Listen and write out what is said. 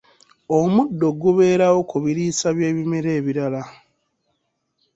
Omuddo gubeerawo ku biriisa by'ebimera ebirala.